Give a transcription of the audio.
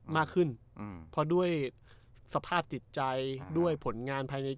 มากขึ้นเพราะด้วยสภาพจิตใจด้วยผลงานภายใน